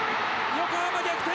横浜逆転！